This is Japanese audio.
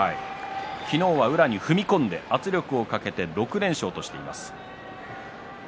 昨日は宇良に踏み込んで圧力をかけて６連勝としています。